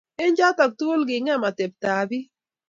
Eng' choto tukul king'em ateptab piik